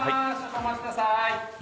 お待ちくださーい。